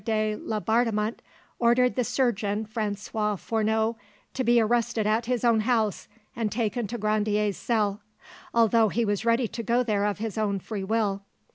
de Laubardemont ordered the surgeon Francois Fourneau to be arrested at his own house and taken to Grandier's cell, although he was ready to go there of his own free will.